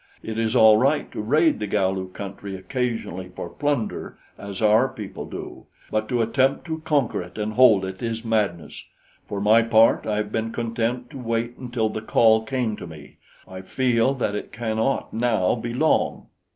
It is all right to raid the Galu country occasionally for plunder, as our people do; but to attempt to conquer it and hold it is madness. For my part, I have been content to wait until the call came to me. I feel that it cannot now be long."